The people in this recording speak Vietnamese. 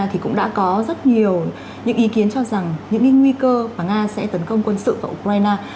thì cũng đã có rất nhiều những ý kiến cho rằng những nguy cơ mà nga sẽ tấn công quân sự vào ukraine